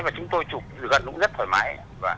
và chúng tôi chụp gần cũng rất thoải mái